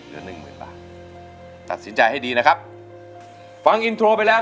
หนึ่งหมื่นบาทตัดสินใจให้ดีนะครับฟังอินโทรไปแล้ว